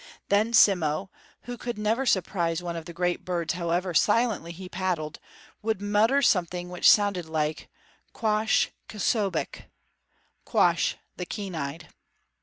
Then Simmo, who could never surprise one of the great birds however silently he paddled, would mutter something which sounded like Quoskh K'sobeqh, Quoskh the Keen Eyed.